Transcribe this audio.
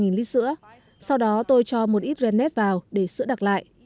tôi đã đặt vào ba lít sữa sau đó tôi cho một ít ren nét vào để sữa đặc lại